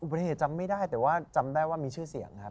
อุบัติเหตุจำไม่ได้แต่จำได้ว่ามีชื่อเสียง